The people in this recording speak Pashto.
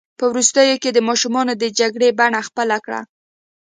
په وروستیو کې یې د ماشومانو د جګړې بڼه خپله کړه.